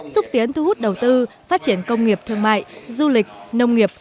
xúc tiến thu hút đầu tư phát triển công nghiệp thương mại du lịch nông nghiệp